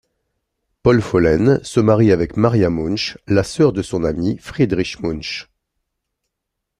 Paul Follen se marie avec Maria Münch, la sœur de son ami Friedrich Münch.